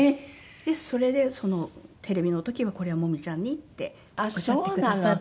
でそれで「テレビの時はこれは紅葉ちゃんに」っておっしゃってくださって。